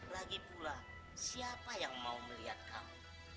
lagi pula siapa yang mau melihat kamu